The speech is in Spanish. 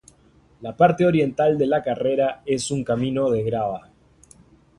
La parte oriental de la carretera es un camino de grava.